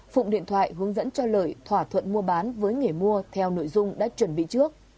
phụng điện thoại hướng dẫn cho lợi thỏa thuận mua bán với người mua theo nội dung đã chuẩn bị trước